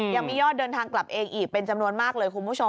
ยังมียอดเดินทางกลับเองอีกเป็นจำนวนมากเลยคุณผู้ชม